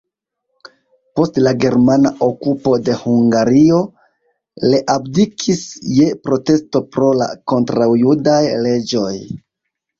Post la germana okupo de Hungario le abdikis je protesto pro la kontraŭjudaj leĝoj.